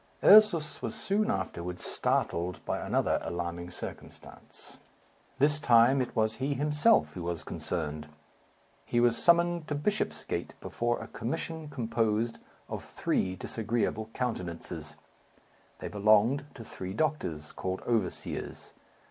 Ursus was soon afterwards startled by another alarming circumstance. This time it was he himself who was concerned. He was summoned to Bishopsgate before a commission composed of three disagreeable countenances. They belonged to three doctors, called overseers.